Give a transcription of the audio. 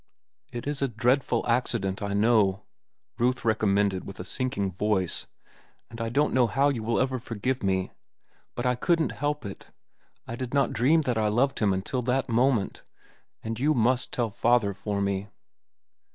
"It is a dreadful accident, I know," Ruth recommenced with a sinking voice. "And I don't know how you will ever forgive me. But I couldn't help it. I did not dream that I loved him until that moment. And you must tell father for me."